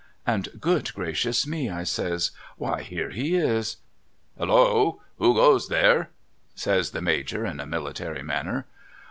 ' And good gracious me ' I says, ' why here he is !'' Halloa ! who goes there?' says the Major in a military manner.